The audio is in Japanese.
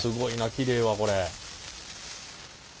きれいわこれ。